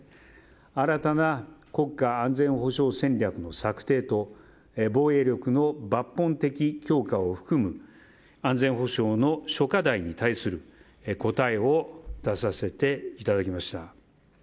新たな国家安全保障戦略の策定と防衛力の抜本的強化を含む安全保障の諸課題に対する答えを出させていただきました。